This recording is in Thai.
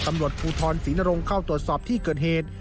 ตำรวจภูทรศรีนรงเข้าตรวจสอบที่เกิดเหตุ